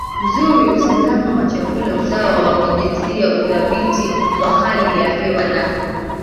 nzuri usalama wa chakula usawa wa kijinsia udhabiti wa hali ya hewa na